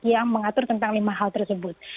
yang mengatur tentang lima hal tersebut